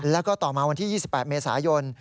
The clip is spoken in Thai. แล้วก็ต่อมาวันที่๒๘เมษายน